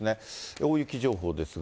大雪情報ですが。